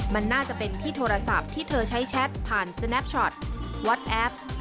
มันน่าจะเป็นที่โทรศัพท์ที่เธอใช้แชทผ่านสแนปช็อตวัดแอป